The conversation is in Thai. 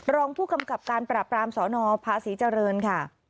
รองผู้กำกับการปราบรามสนภาษีเจริญค่ะ